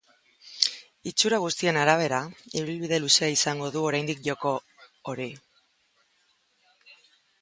Itxura guztien arabera, ibilbide luzea izango du oraindik joko hori.